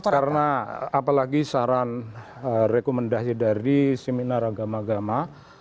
karena apalagi saran rekomendasi dari seminar agama agama